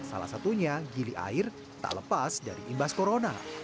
salah satunya gili air tak lepas dari imbas corona